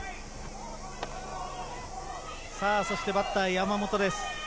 そしてバッター・山本です。